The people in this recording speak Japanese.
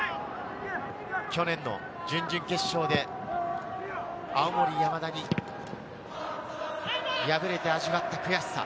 去年の準々決勝で青森山田に敗れて味わった悔しさ。